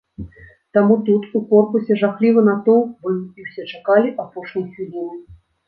Таму тут у корпусе жахлівы натоўп быў і ўсе чакалі апошняй хвіліны.